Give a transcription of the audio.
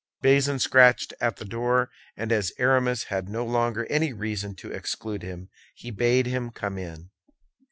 Bazin scratched at the door, and as Aramis had no longer any reason to exclude him, he bade him come in.